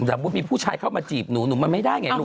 สมมุติมีผู้ชายเข้ามาจีบหนูหนูมันไม่ได้ไงลูก